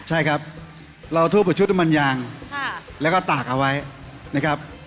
ใช่ครับเราทูบกับชุดน้ำมันยางแล้วก็ตากเอาไว้นะครับ